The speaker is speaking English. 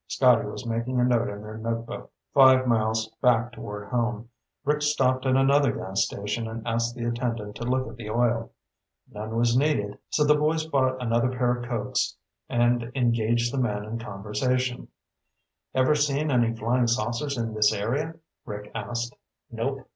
Scotty was making a note in their notebook. Five miles back toward home, Rick stopped at another gas station and asked the attendant to look at the oil. None was needed, so the boys bought another pair of Cokes and engaged the man in conversation. "Ever see any flying saucers in this area?" Rick asked. "Nope.